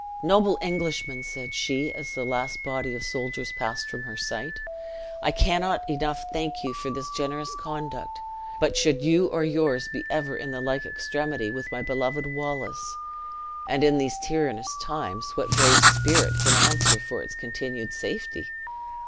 "Noble Englishman," said she, as the last body of soldiers passed from her sight, "I cannot enough thank you for this generous conduct; but should you or yours be ever in the like extremity with my beloved Wallace (and in these tyrannous times, what brave spirit can answer for its continued safety?)